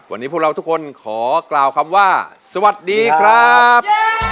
วันนี้พวกเราทุกคนขอกล่าวคำว่าสวัสดีครับ